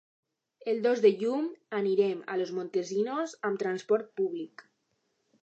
El dos de juny anirem a Los Montesinos amb transport públic.